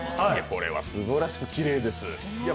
これはすばらしくきれいです。